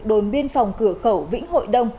đồn biên phòng cửa khẩu vĩnh hội đông